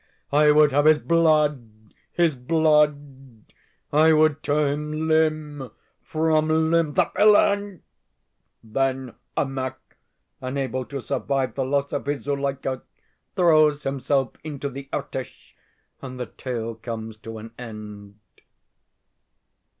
'I would have his blood, his blood! I would tear him limb from limb, the villain!'" Then Ermak, unable to survive the loss of his Zuleika, throws himself into the Irtisch, and the tale comes to an end.